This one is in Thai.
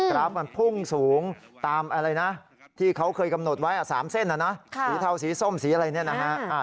ครับมันพุ่งสูงตามอะไรนะที่เขาเคยกำหนดไว้๓เส้นสีเทาสีส้มสีอะไรอย่างนี้นะครับ